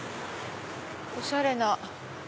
おしゃれな。